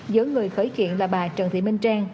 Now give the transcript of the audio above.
giữa người khởi kiện là bà trần thị minh trang